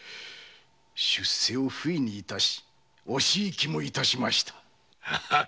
出世をフイにいたし惜しい気もしましたぞ。